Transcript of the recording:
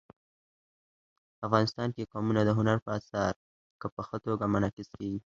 افغانستان کې قومونه د هنر په اثار کې په ښه توګه منعکس کېږي.